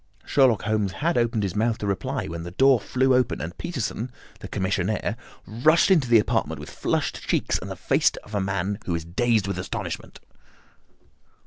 Sherlock Holmes had opened his mouth to reply, when the door flew open, and Peterson, the commissionaire, rushed into the apartment with flushed cheeks and the face of a man who is dazed with astonishment.